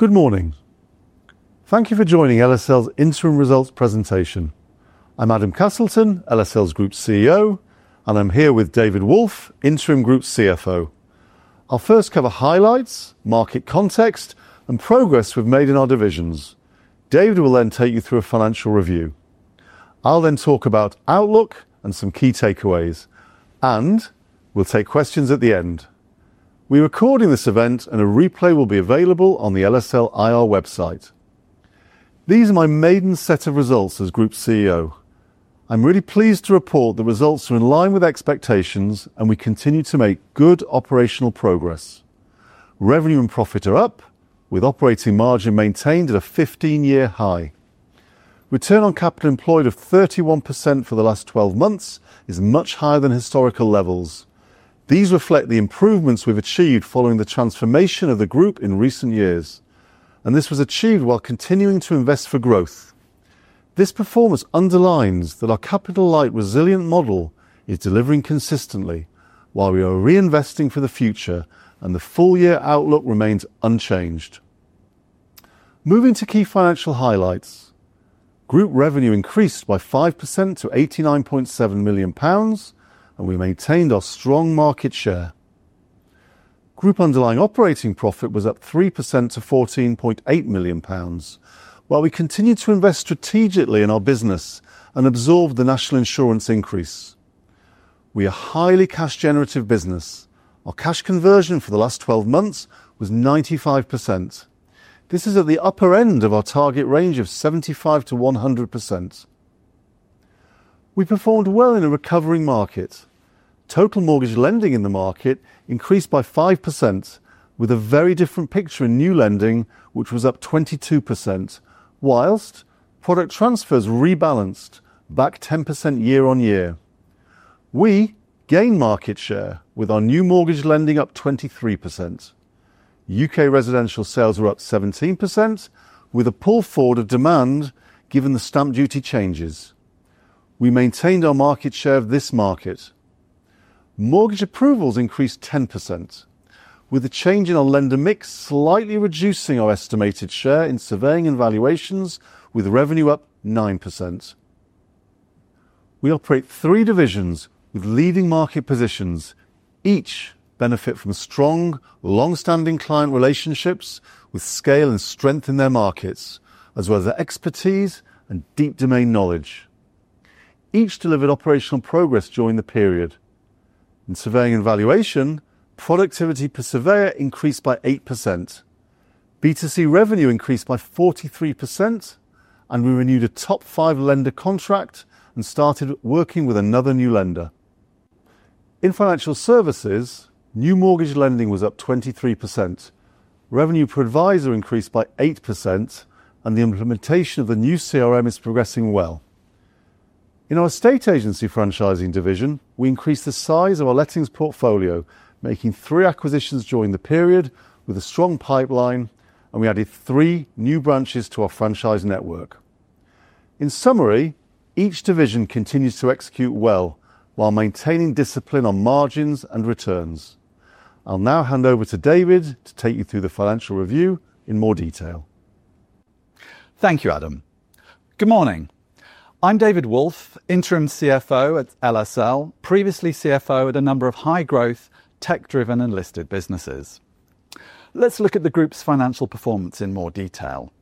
Good morning. Thank you for joining LSL's interim results presentation. I'm Adam Castleton, LSL's Group CEO, and I'm here with David Wolffe, Interim Group CFO. I'll first cover highlights, market context, and progress we've made in our divisions. David will then take you through a financial review. I'll then talk about outlook and some key takeaways, and we'll take questions at the end. We're recording this event, and a replay will be available on the LSL IR website. These are my maiden set of results as Group CEO. I'm really pleased to report the results are in line with expectations, and we continue to make good operational progress. Revenue and profit are up, with operating margin maintained at a 15-year high. Return on capital employed of 31% for the last 12 months is much higher than historical levels. These reflect the improvements we've achieved following the transformation of the group in recent years, and this was achieved while continuing to invest for growth. This performance underlines that our capital-light resilient model is delivering consistently while we are reinvesting for the future, and the full-year outlook remains unchanged. Moving to key financial highlights, Group revenue increased by 5% to £89.7 million, and we maintained our strong market share. Group underlying operating profit was up 3% to £14.8 million, while we continued to invest strategically in our business and absorbed the national insurance increase. We are a highly cash-generative business. Our cash conversion for the last 12 months was 95%. This is at the upper end of our target range of 75% to 100%. We performed well in a recovering market. Total mortgage lending in the market increased by 5%, with a very different picture in new lending, which was up 22%, whilst product transfers rebalanced back 10% year on year. We gained market share with our new mortgage lending up 23%. UK residential sales were up 17%, with a pull forward of demand given the stamp duty changes. We maintained our market share of this market. Mortgage approvals increased 10%, with a change in our lender mix slightly reducing our estimated share in surveying and valuation, with revenue up 9%. We operate three divisions with leading market positions. Each benefit from strong, long-standing client relationships with scale and strength in their markets, as well as expertise and deep domain knowledge. Each delivered operational progress during the period. In surveying and valuation, productivity per surveyor increased by 8%. B2C revenue increased by 43%, and we renewed a top-five lender contract and started working with another new lender. In financial services, new mortgage lending was up 23%. Revenue per advisor increased by 8%, and the implementation of the new CRM is progressing well. In our estate agency franchising division, we increased the size of our lettings portfolio, making three acquisitions during the period with a strong pipeline, and we added three new branches to our franchise network. In summary, each division continues to execute well while maintaining discipline on margins and returns. I'll now hand over to David to take you through the financial review in more detail. Thank you, Adam. Good morning. I'm David Wolffe, Interim CFO at LSL, previously CFO at a number of high-growth, tech-driven, and listed businesses. Let's look at the group's financial performance in more detail.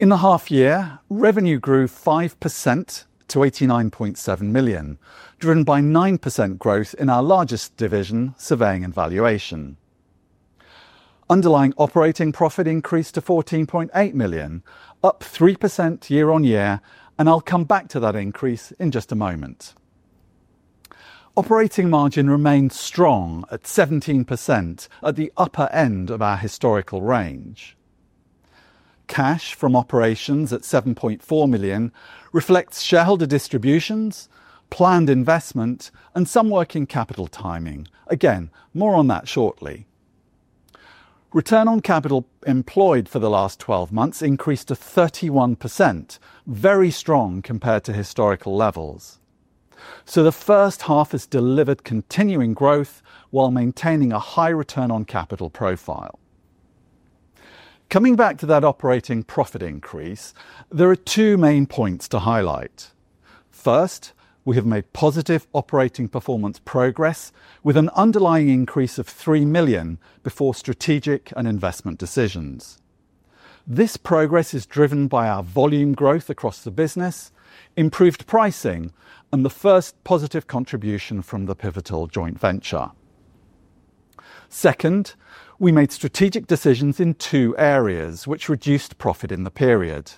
In the half-year, revenue grew 5% to £89.7 million, driven by 9% growth in our largest division, surveying and valuation. Underlying operating profit increased to £14.8 million, up 3% year on year, and I'll come back to that increase in just a moment. Operating margin remained strong at 17%, at the upper end of our historical range. Cash from operations at £7.4 million reflects shareholder distributions, planned investment, and some working capital timing. Again, more on that shortly. Return on capital employed for the last 12 months increased to 31%, very strong compared to historical levels. The first half has delivered continuing growth while maintaining a high return on capital profile. Coming back to that operating profit increase, there are two main points to highlight. First, we have made positive operating performance progress with an underlying increase of £3 million before strategic and investment decisions. This progress is driven by our volume growth across the business, improved pricing, and the first positive contribution from the Pivotal joint venture. Second, we made strategic decisions in two areas which reduced profit in the period.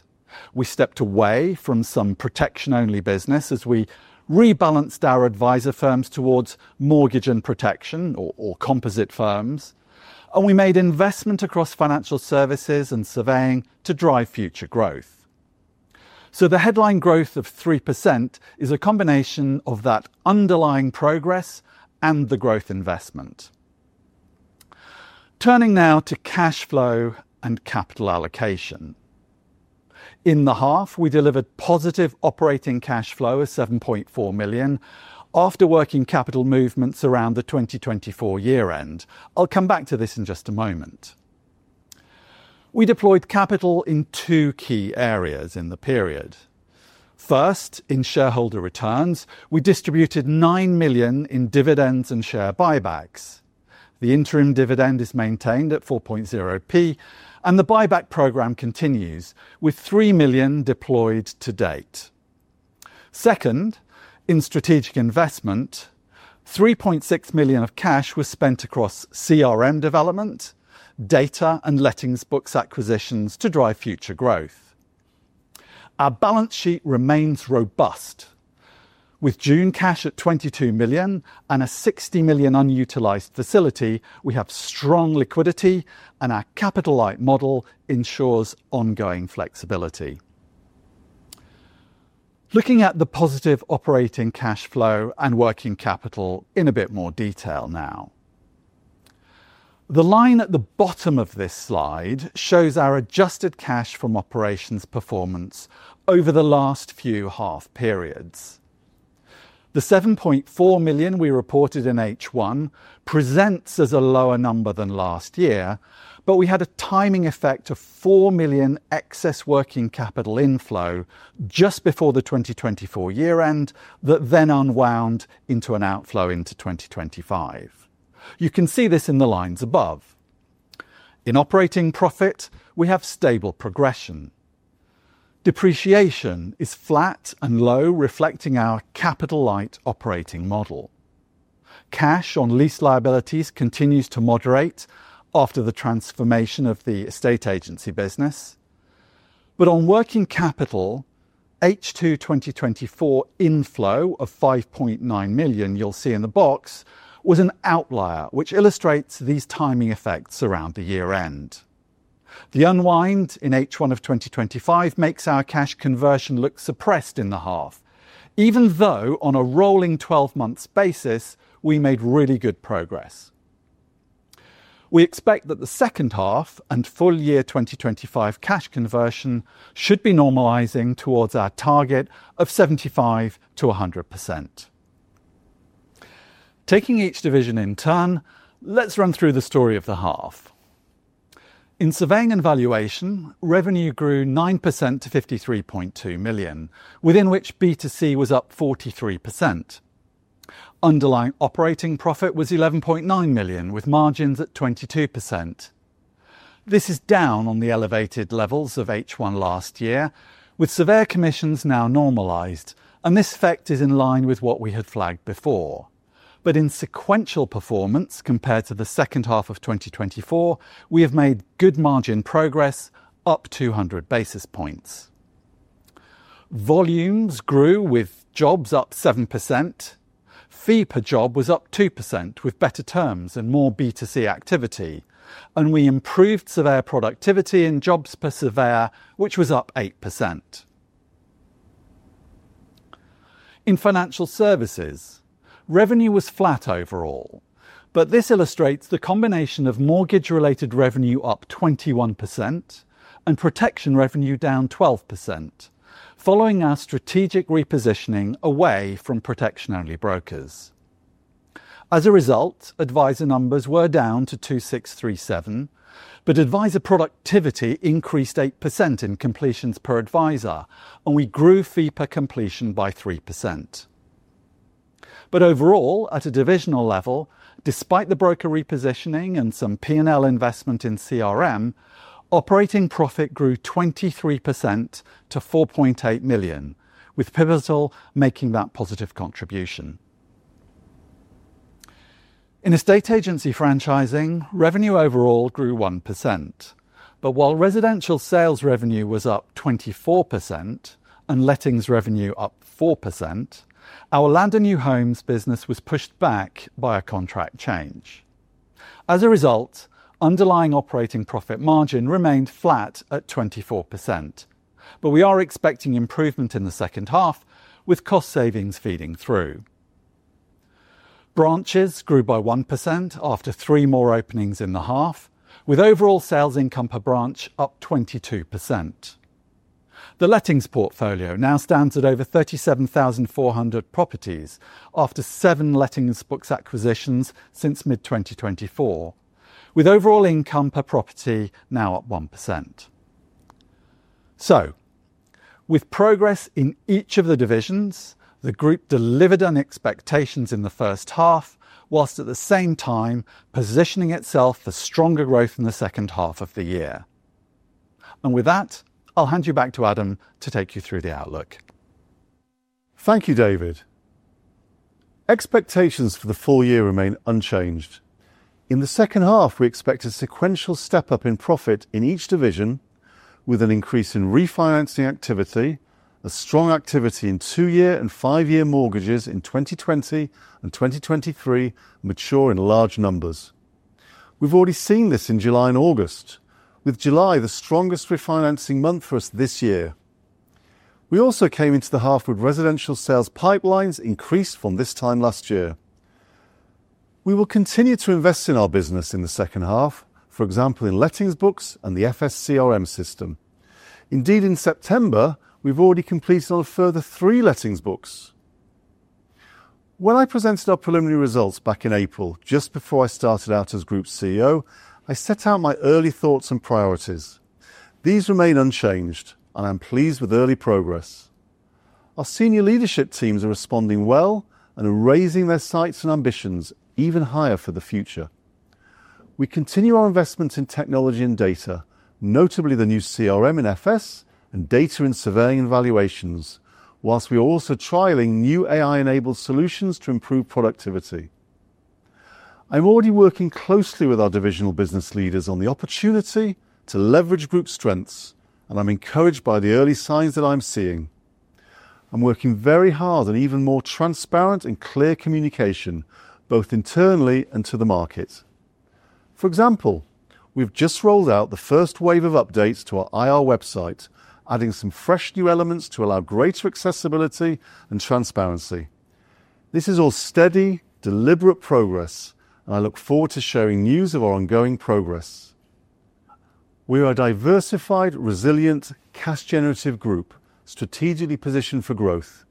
We stepped away from some protection-only business as we rebalanced our advisor firms towards mortgage and protection, or composite firms, and we made investment across financial services and surveying to drive future growth. The headline growth of 3% is a combination of that underlying progress and the growth investment. Turning now to cash flow and capital allocation. In the half, we delivered positive operating cash flow of £7.4 million after working capital movements around the 2024 year-end. I'll come back to this in just a moment. We deployed capital in two key areas in the period. First, in shareholder returns, we distributed £9 million in dividends and share buybacks. The interim dividend is maintained at 4.0p, and the buyback program continues with £3 million deployed to date. Second, in strategic investment, £3.6 million of cash was spent across CRM development, data, and lettings books acquisitions to drive future growth. Our balance sheet remains robust. With June cash at £22 million and a £60 million unutilized facility, we have strong liquidity, and our capital-light model ensures ongoing flexibility. Looking at the positive operating cash flow and working capital in a bit more detail now. The line at the bottom of this slide shows our adjusted cash from operations performance over the last few half periods. The £7.4 million we reported in H1 presents as a lower number than last year, but we had a timing effect of £4 million excess working capital inflow just before the 2024 year-end that then unwound into an outflow into 2025. You can see this in the lines above. In operating profit, we have stable progression. Depreciation is flat and low, reflecting our capital-light operating model. Cash on lease liabilities continues to moderate after the transformation of the estate agency business. On working capital, H2 2024 inflow of £5.9 million you'll see in the box was an outlier, which illustrates these timing effects around the year-end. The unwind in H1 of 2025 makes our cash conversion look suppressed in the half, even though on a rolling 12-month basis, we made really good progress. We expect that the second half and full-year 2025 cash conversion should be normalizing towards our target of 75% to 100%. Taking each division in turn, let's run through the story of the half. In surveying and valuation, revenue grew 9% to £53.2 million, within which B2C was up 43%. Underlying operating profit was £11.9 million, with margins at 22%. This is down on the elevated levels of H1 last year, with severe commissions now normalized, and this effect is in line with what we had flagged before. In sequential performance compared to the second half of 2024, we have made good margin progress, up 200 basis points. Volumes grew, with jobs up 7%. Fee per job was up 2%, with better terms and more B2C activity, and we improved surveyor productivity in jobs per surveyor, which was up 8%. In financial services, revenue was flat overall, but this illustrates the combination of mortgage-related revenue up 21% and protection revenue down 12%, following our strategic repositioning away from protection-only brokers. As a result, advisor numbers were down to 2,637, but advisor productivity increased 8% in completions per advisor, and we grew fee per completion by 3%. Overall, at a divisional level, despite the broker repositioning and some P&L investment in CRM, operating profit grew 23% to £4.8 million, with Pivotal making that positive contribution. In estate agency franchising, revenue overall grew 1%. While residential sales revenue was up 24% and lettings revenue up 4%, our land and new homes business was pushed back by a contract change. As a result, underlying operating profit margin remained flat at 24%. We are expecting improvement in the second half, with cost savings feeding through. Branches grew by 1% after three more openings in the half, with overall sales income per branch up 22%. The lettings portfolio now stands at over 37,400 properties after seven lettings books acquisitions since mid-2024, with overall income per property now at 1%. With progress in each of the divisions, the group delivered on expectations in the first half, whilst at the same time positioning itself for stronger growth in the second half of the year. With that, I'll hand you back to Adam to take you through the outlook. Thank you, David. Expectations for the full year remain unchanged. In the second half, we expect a sequential step-up in profit in each division, with an increase in refinancing activity, a strong activity in two-year and five-year mortgages in 2020 and 2023 mature in large numbers. We've already seen this in July and August, with July the strongest refinancing month for us this year. We also came into the half with residential sales pipelines increased from this time last year. We will continue to invest in our business in the second half, for example, in lettings books and the FSCRM system. Indeed, in September, we've already completed on further three lettings books. When I presented our preliminary results back in April, just before I started out as Group CEO, I set out my early thoughts and priorities. These remain unchanged, and I'm pleased with early progress. Our senior leadership teams are responding well and are raising their sights and ambitions even higher for the future. We continue our investment in technology and data, notably the new CRM in FS and data in surveying and valuation, whilst we are also trialing new AI-enabled solutions to improve productivity. I'm already working closely with our divisional business leaders on the opportunity to leverage group strengths, and I'm encouraged by the early signs that I'm seeing. I'm working very hard on even more transparent and clear communication, both internally and to the market. For example, we've just rolled out the first wave of updates to our IR website, adding some fresh new elements to allow greater accessibility and transparency. This is all steady, deliberate progress, and I look forward to sharing news of our ongoing progress. We are a diversified, resilient, cash-generative group, strategically positioned for growth.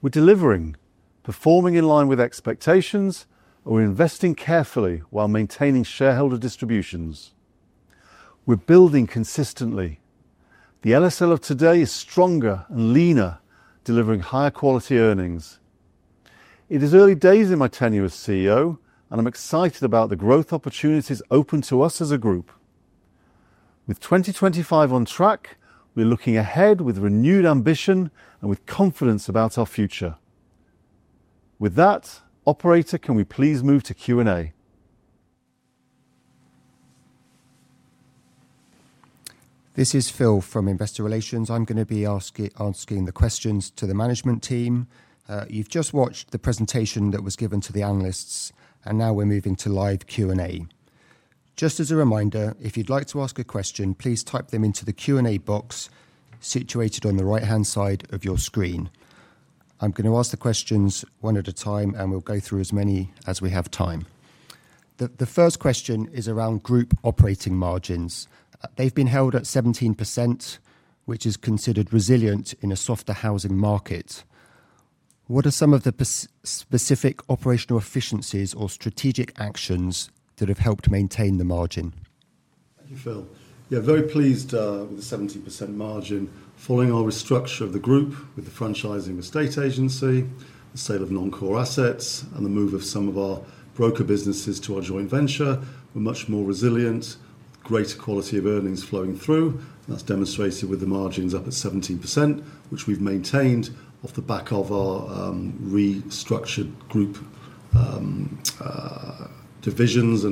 We're delivering, performing in line with expectations, and we're investing carefully while maintaining shareholder distributions. We're building consistently. The LSL of today is stronger and leaner, delivering higher quality earnings. It is early days in my tenure as CEO, and I'm excited about the growth opportunities open to us as a group. With 2025 on track, we're looking ahead with renewed ambition and with confidence about our future. With that, operator, can we please move to Q&A? This is Phil from Investor Relations. I'm going to be asking the questions to the management team. You've just watched the presentation that was given to the analysts, and now we're moving to live Q&A. Just as a reminder, if you'd like to ask a question, please type them into the Q&A box situated on the right-hand side of your screen. I'm going to ask the questions one at a time, and we'll go through as many as we have time. The first question is around group operating margins. They've been held at 17%, which is considered resilient in a softer housing market. What are some of the specific operational efficiencies or strategic actions that have helped maintain the margin? Thank you, Phil. Yeah, very pleased with the 17% margin. Following our restructure of the group with the franchising estate agency, the sale of non-core assets, and the move of some of our broker businesses to our joint venture, we're much more resilient, greater quality of earnings flowing through. That's demonstrated with the margins up at 17%, which we've maintained off the back of our restructured group divisions.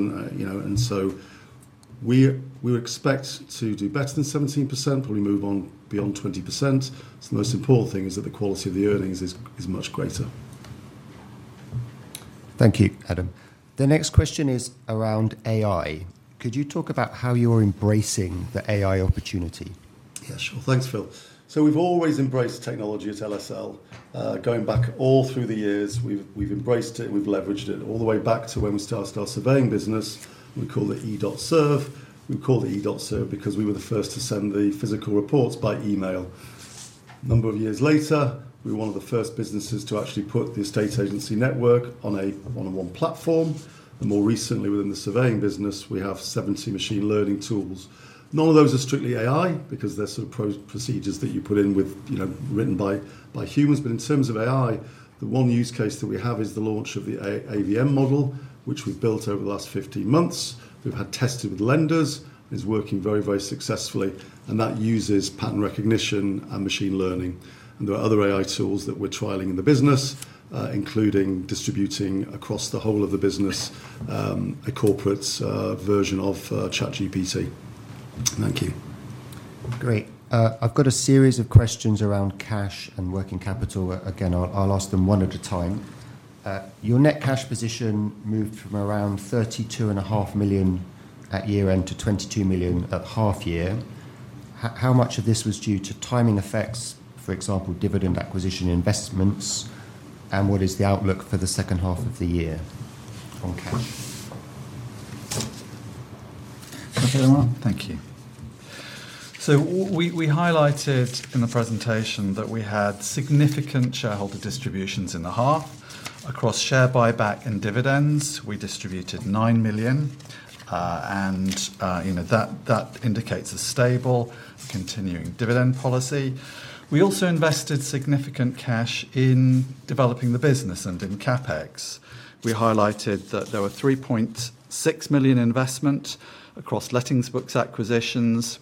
We expect to do better than 17%, probably move on beyond 20%. The most important thing is that the quality of the earnings is much greater. Thank you, Adam. The next question is around AI. Could you talk about how you're embracing the AI opportunity? Yeah, sure. Thanks, Phil. We've always embraced technology at LSL. Going back all through the years, we've embraced it and we've leveraged it all the way back to when we started our surveying business. We call it e.surve because we were the first to send the physical reports by email. A number of years later, we were one of the first businesses to actually put the estate agency network on a one-on-one platform. More recently, within the surveying business, we have 70 machine learning tools. None of those are strictly AI because they're sort of procedures that you put in with, you know, written by humans. In terms of AI, the one use case that we have is the launch of the automated valuation model, which we've built over the last 15 months. We've had it tested with lenders and it is working very, very successfully. That uses pattern recognition and machine learning. There are other AI tools that we're trialing in the business, including distributing across the whole of the business a corporate's version of ChatGPT. Thank you. Great. I've got a series of questions around cash and working capital. I'll ask them one at a time. Your net cash position moved from around £32.5 million at year-end to £22 million at half-year. How much of this was due to timing effects, for example, dividend acquisition investments? What is the outlook for the second half of the year on cash? Thank you. We highlighted in the presentation that we had significant shareholder distributions in the half across share buyback and dividends. We distributed £9 million. That indicates a stable, continuing dividend policy. We also invested significant cash in developing the business and in CapEx. We highlighted that there were £3.6 million investment across lettings books acquisitions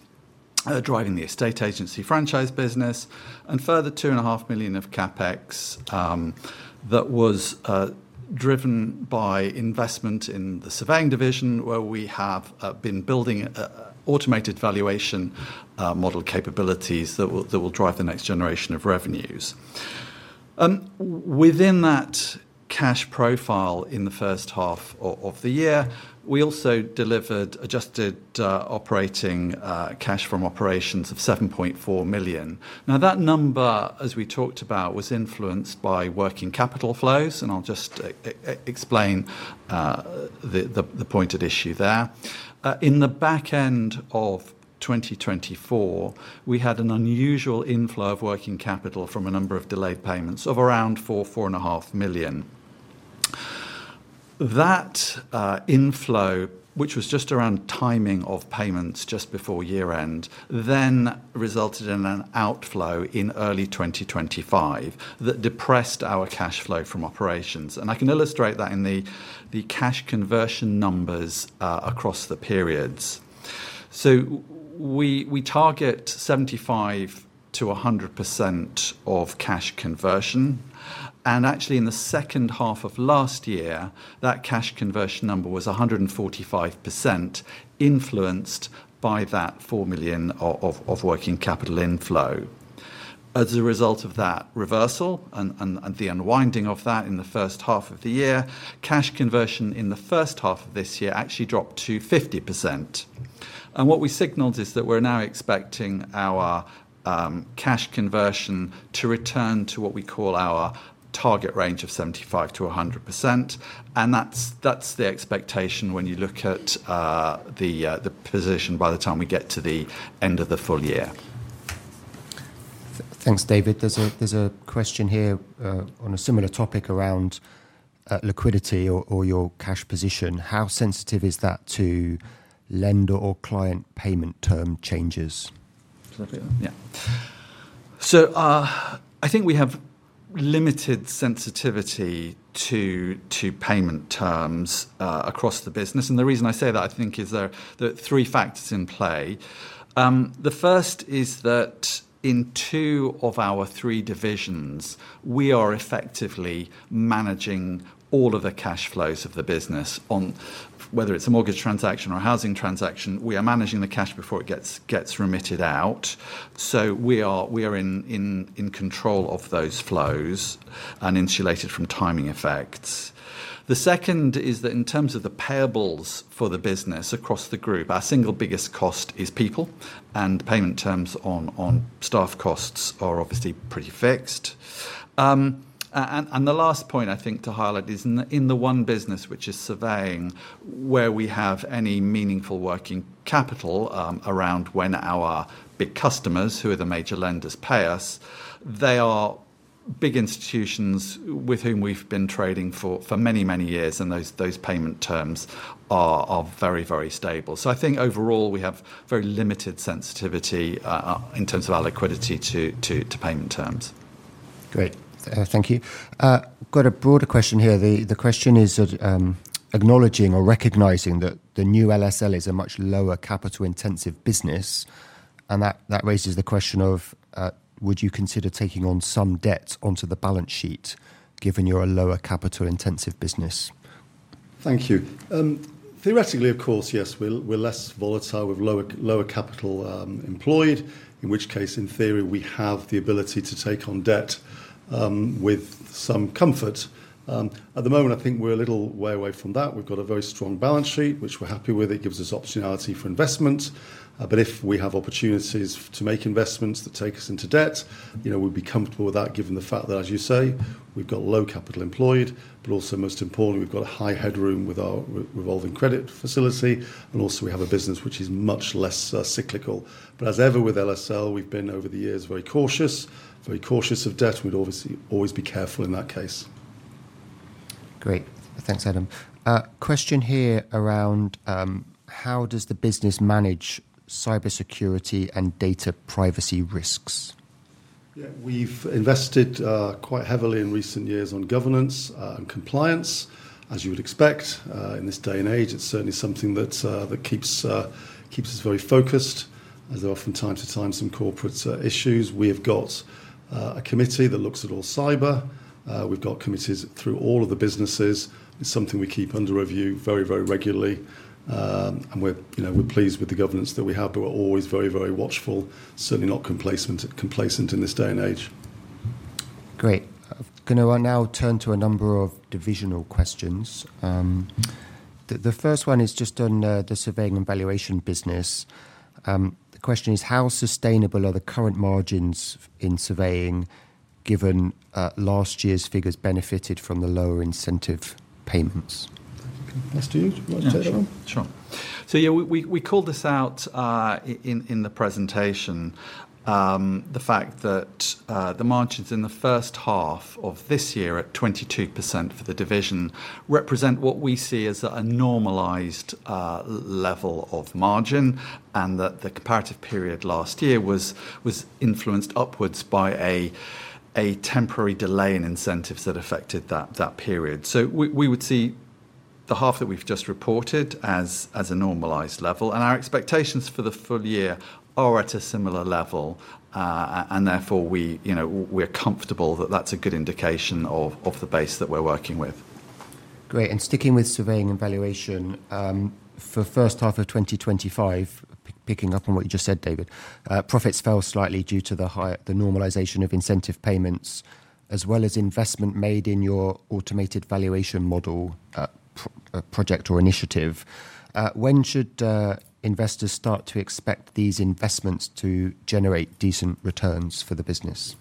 driving the estate agency franchising business and a further £2.5 million of CapEx that was driven by investment in the surveying and valuation division where we have been building automated valuation model capabilities that will drive the next generation of revenues. Within that cash profile in the first half of the year, we also delivered adjusted operating cash from operations of £7.4 million. That number, as we talked about, was influenced by working capital flows, and I'll just explain the point at issue there. In the back end of 2024, we had an unusual inflow of working capital from a number of delayed payments of around £4.5 million. That inflow, which was just around timing of payments just before year-end, then resulted in an outflow in early 2025 that depressed our cash flow from operations. I can illustrate that in the cash conversion numbers across the periods. We target 75% to 100% of cash conversion. Actually, in the second half of last year, that cash conversion number was 145% influenced by that £4 million of working capital inflow. As a result of that reversal and the unwinding of that in the first half of the year, cash conversion in the first half of this year actually dropped to 50%. What we signaled is that we're now expecting our cash conversion to return to what we call our target range of 75% to 100%. That's the expectation when you look at the position by the time we get to the end of the full year. Thanks, David. There's a question here on a similar topic around liquidity or your cash position. How sensitive is that to lender or client payment term changes? I think we have limited sensitivity to payment terms across the business. The reason I say that is there are three factors in play. The first is that in two of our three divisions, we are effectively managing all of the cash flows of the business. Whether it's a mortgage transaction or a housing transaction, we are managing the cash before it gets remitted out. We are in control of those flows and insulated from timing effects. The second is that in terms of the payables for the business across the group, our single biggest cost is people, and payment terms on staff costs are obviously pretty fixed. The last point I think to highlight is in the one business, which is surveying, where we have any meaningful working capital around when our big customers, who are the major lenders, pay us. They are big institutions with whom we've been trading for many, many years, and those payment terms are very, very stable. I think overall we have very limited sensitivity in terms of our liquidity to payment terms. Great. Thank you. Got a broader question here. The question is acknowledging or recognizing that the new LSL is a much lower capital-intensive business, and that raises the question of would you consider taking on some debt onto the balance sheet given you're a lower capital-intensive business? Thank you. Theoretically, of course, yes, we're less volatile with lower capital employed, in which case, in theory, we have the ability to take on debt with some comfort. At the moment, I think we're a little way away from that. We've got a very strong balance sheet, which we're happy with. It gives us optionality for investment. If we have opportunities to make investments that take us into debt, you know we'd be comfortable with that given the fact that, as you say, we've got low capital employed, but also most important, we've got high headroom with our revolving credit facility, and also we have a business which is much less cyclical. As ever with LSL Property Services, we've been over the years very cautious, very cautious of debt. We'd obviously always be careful in that case. Great. Thanks, Adam. Question here around how does the business manage cybersecurity and data privacy risks? Yeah, we've invested quite heavily in recent years on governance and compliance. As you would expect, in this day and age, it's certainly something that keeps us very focused. There are from time to time some corporate issues. We have got a committee that looks at all cyber. We've got committees through all of the businesses. It's something we keep under review very, very regularly. We're pleased with the governance that we have, but we're always very, very watchful, certainly not complacent in this day and age. Great. I'm going to now turn to a number of divisional questions. The first one is just on the surveying and valuation business. The question is, how sustainable are the current margins in surveying given last year's figures benefited from the lower incentive payments? Sure. We called this out in the presentation. The fact that the margins in the first half of this year at 22% for the division represent what we see as a normalized level of margin, and that the comparative period last year was influenced upwards by a temporary delay in incentives that affected that period. We would see the half that we've just reported as a normalized level, and our expectations for the full year are at a similar level. Therefore, we are comfortable that that's a good indication of the base that we're working with. Great. Sticking with surveying and valuation, for the first half of 2025, picking up on what you just said, David, profits fell slightly due to the normalization of incentive payments, as well as investment made in your automated valuation model project or initiative. When should investors start to expect these investments to generate decent returns for the business?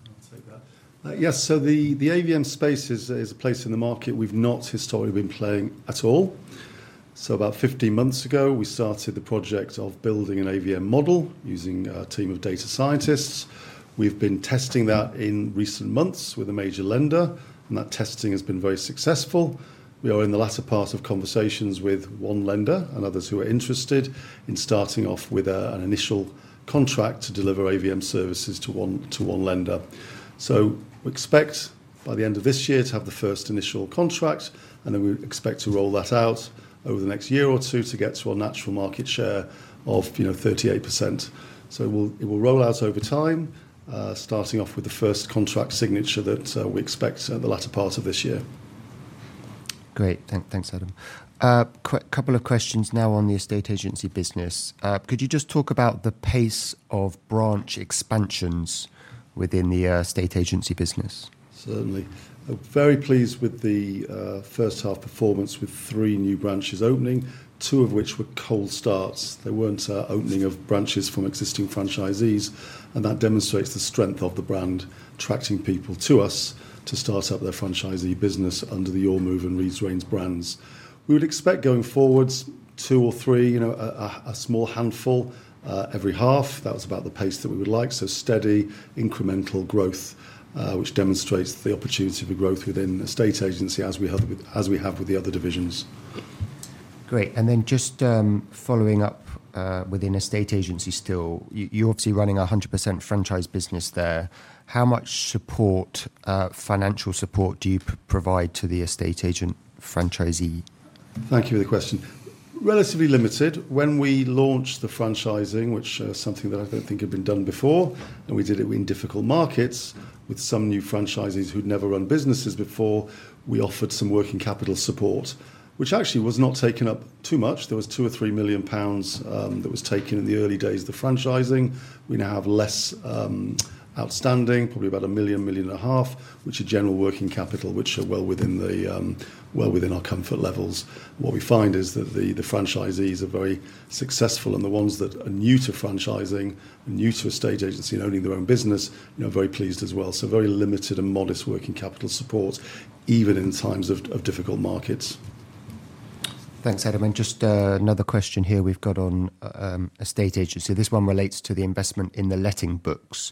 Yes, the AVM space is a place in the market we've not historically been playing at all. About 15 months ago, we started the project of building an AVM model using a team of data scientists. We've been testing that in recent months with a major lender, and that testing has been very successful. We are in the latter part of conversations with one lender and others who are interested in starting off with an initial contract to deliver AVM services to one lender. We expect by the end of this year to have the first initial contract, and we expect to roll that out over the next year or two to get to our natural market share of 38%. It will roll out over time, starting off with the first contract signature that we expect in the latter part of this year. Great. Thanks, Adam. A couple of questions now on the estate agency business. Could you just talk about the pace of branch expansions within the estate agency business? Certainly. I'm very pleased with the first half performance with three new branches opening, two of which were cold starts. There weren't opening of branches from existing franchisees, and that demonstrates the strength of the brand attracting people to us to start up their franchisee business under the Ormove and Rees-Raines brands. We would expect going forward two or three, you know, a small handful every half. That was about the pace that we would like. Steady, incremental growth, which demonstrates the opportunity for growth within the estate agency as we have with the other divisions. Great. Just following up within estate agency still, you're obviously running a 100% franchise business there. How much financial support do you provide to the estate agent franchisee? Thank you for the question. Relatively limited. When we launched the franchising, which is something that I don't think had been done before, and we did it in difficult markets with some new franchisees who'd never run businesses before, we offered some working capital support, which actually was not taken up too much. There was £2 million or £3 million that was taken in the early days of the franchising. We now have less outstanding, probably about £1 million, £1.5 million, which is general working capital, which are well within our comfort levels. What we find is that the franchisees are very successful, and the ones that are new to franchising and new to estate agency and owning their own business are very pleased as well. Very limited and modest working capital support, even in times of difficult markets. Thanks, Adam. Just another question here we've got on estate agency. This one relates to the investment in the letting books.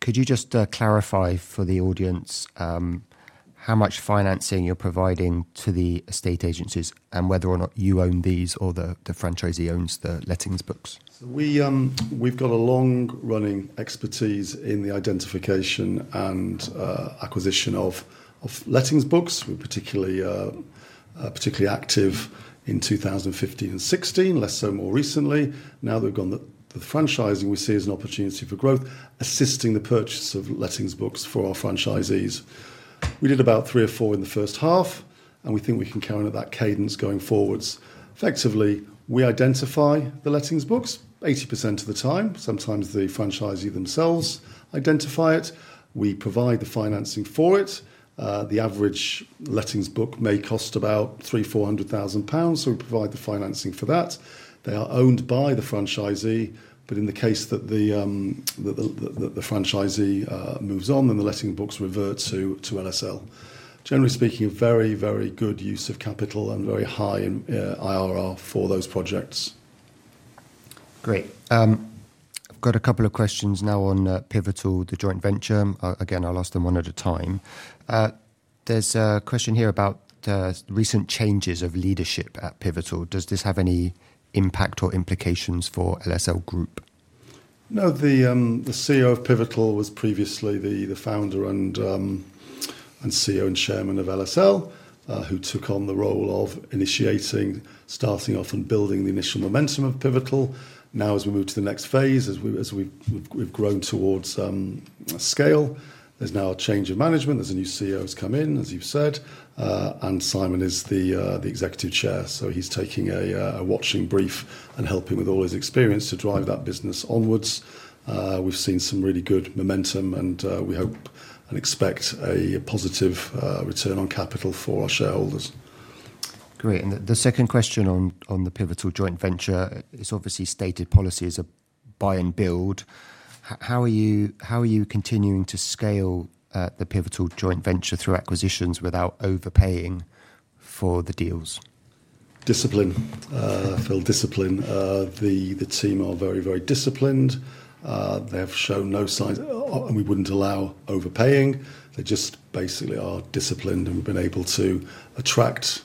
Could you just clarify for the audience how much financing you're providing to the estate agencies and whether or not you own these or the franchisee owns the lettings books? We have a long-running expertise in the identification and acquisition of lettings books. We were particularly active in 2015 and 2016, less so more recently. Now that we've gone the franchising route, we see this as an opportunity for growth, assisting the purchase of lettings books for our franchisees. We did about three or four in the first half, and we think we can carry on at that cadence going forward. Effectively, we identify the lettings books 80% of the time. Sometimes the franchisee themselves identify it. We provide the financing for it. The average lettings book may cost about £300,000 or £400,000. We provide the financing for that. They are owned by the franchisee, but in the case that the franchisee moves on, then the lettings books revert to LSL Property Services. Generally speaking, it is a very good use of capital and a very high IRR for those projects. Great. I've got a couple of questions now on Pivotal, the joint venture. I'll ask them one at a time. There's a question here about the recent changes of leadership at Pivotal. Does this have any impact or implications for LSL Group? No, the CEO of Pivotal was previously the founder and CEO and Chairman of LSL Property Services, who took on the role of initiating, starting off, and building the initial momentum of Pivotal. Now, as we move to the next phase, as we've grown towards scale, there's now a change in management. There's a new CEO who's come in, as you've said, and Simon is the Executive Chair. He's taking a watching brief and helping with all his experience to drive that business onwards. We've seen some really good momentum, and we hope and expect a positive return on capital for our shareholders. Great. The second question on the Pivotal joint venture is obviously stated policy as a buy and build. How are you continuing to scale the Pivotal joint venture through acquisitions without overpaying for the deals? Discipline. I feel discipline. The team are very, very disciplined. They have shown no signs, and we wouldn't allow overpaying. They just basically are disciplined, and we've been able to attract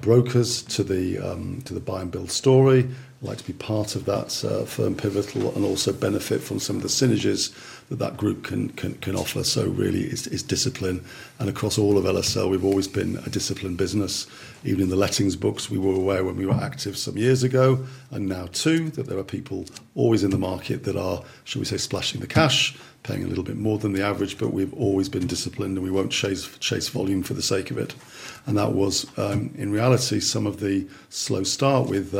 brokers to the buy and build story. I'd like to be part of that firm Pivotal and also benefit from some of the synergies that that group can offer. It is really discipline. Across all of LSL, we've always been a disciplined business. Even in the lettings books, we were aware when we were active some years ago, and now too, that there are people always in the market that are, should we say, splashing the cash, paying a little bit more than the average, but we've always been disciplined, and we won't chase volume for the sake of it. In reality, some of the slow start with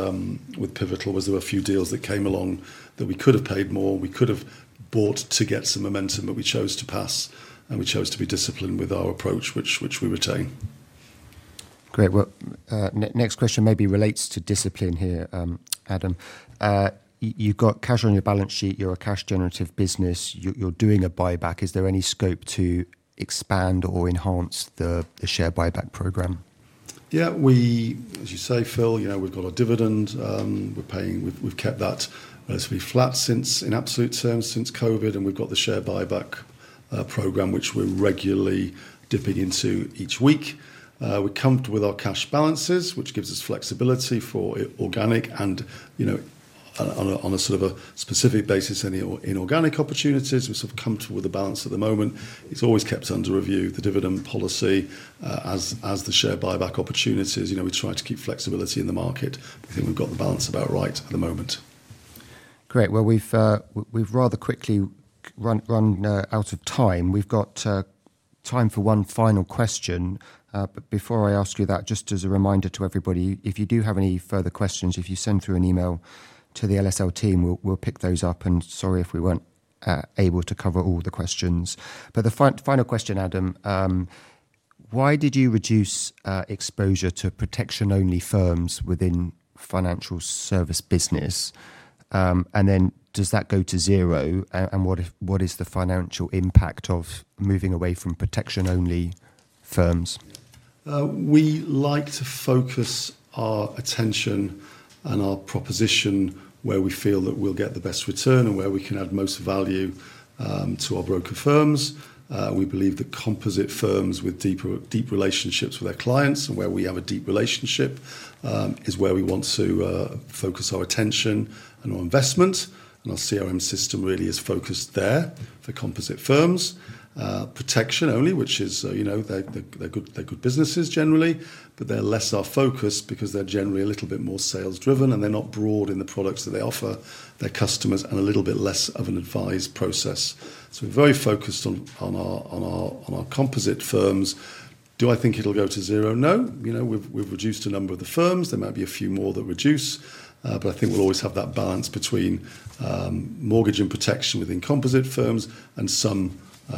Pivotal was there were a few deals that came along that we could have paid more, we could have bought to get some momentum, but we chose to pass, and we chose to be disciplined with our approach, which we retain. Great. Next question maybe relates to discipline here, Adam. You've got cash on your balance sheet. You're a cash-generative business. You're doing a buyback. Is there any scope to expand or enhance the share buyback program? Yeah, we, as you say, Phil, you know, we've got a dividend. We've kept that relatively flat in absolute terms since COVID, and we've got the share buyback program, which we're regularly dipping into each week. We're comfortable with our cash balances, which gives us flexibility for organic and, you know, on a sort of a specific basis, any inorganic opportunities. We're comfortable with the balance at the moment. It's always kept under review, the dividend policy, as the share buyback opportunities. You know, we try to keep flexibility in the market. I think we've got the balance about right at the moment. Great. We've rather quickly run out of time. We've got time for one final question. Before I ask you that, just as a reminder to everybody, if you do have any further questions, if you send through an email to the LSL team, we'll pick those up. Sorry if we weren't able to cover all the questions. The final question, Adam, why did you reduce exposure to protection-only firms within financial services business? Does that go to zero? What is the financial impact of moving away from protection-only firms? We like to focus our attention and our proposition where we feel that we'll get the best return and where we can add most value to our broker firms. We believe that composite firms with deep relationships with their clients and where we have a deep relationship is where we want to focus our attention and our investment. Our CRM system really is focused there for composite firms. Protection-only, which is, you know, they're good businesses generally, but they're less our focus because they're generally a little bit more sales-driven and they're not broad in the products that they offer their customers and a little bit less of an advice process. We're very focused on our composite firms. Do I think it'll go to zero? No. We've reduced a number of the firms. There might be a few more that reduce, but I think we'll always have that balance between mortgage and protection within composite firms and some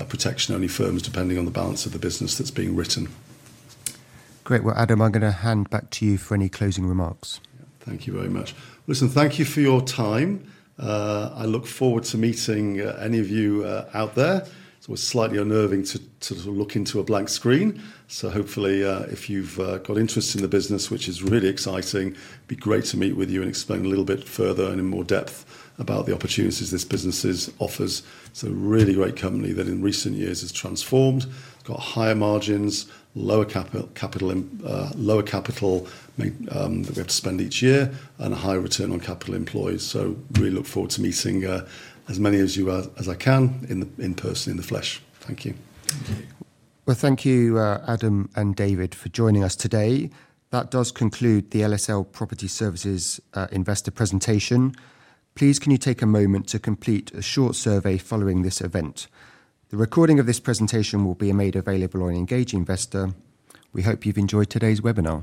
protection-only firms depending on the balance of the business that's being written. Great. Adam, I'm going to hand back to you for any closing remarks. Thank you very much. Thank you for your time. I look forward to meeting any of you out there. It's always slightly unnerving to look into a blank screen. Hopefully, if you've got interest in the business, which is really exciting, it'd be great to meet with you and explain a little bit further and in more depth about the opportunities this business offers. It's a really great company that in recent years has transformed, got higher margins, lower capital that we have to spend each year, and a higher return on capital employed. I really look forward to meeting as many of you as I can in person, in the flesh. Thank you. Thank you, Adam and David, for joining us today. That does conclude the LSL Property Services Investor Presentation. Please, can you take a moment to complete a short survey following this event? The recording of this presentation will be made available on Engage Investor. We hope you've enjoyed today's webinar.